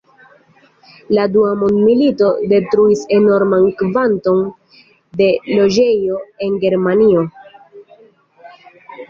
La Dua mondmilito detruis enorman kvanton da loĝejoj en Germanio.